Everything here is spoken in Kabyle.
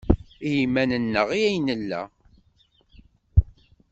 I yiman-nneɣ ay nella.